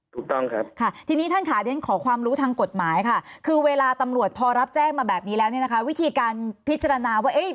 ถูกต้องครับค่ะทีนี้ท่านค่ะเรียนขอความรู้ทางกฎหมายค่ะคือเวลาตำรวจพอรับแจ้งมาแบบนี้แล้วเนี่ยนะคะวิธีการพิจารณาว่า